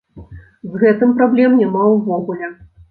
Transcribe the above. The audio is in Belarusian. З гэтым праблем няма ўвогуле.